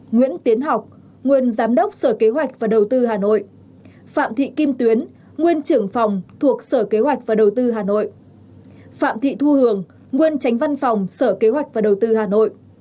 nguyễn tiến học nguyên giám đốc sở kế hoạch và đầu tư hà nội phạm thị kim tuyến nguyên trưởng phòng thuộc sở kế hoạch và đầu tư hà nội phạm thị thu hường nguyên tránh văn phòng sở kế hoạch và đầu tư hà nội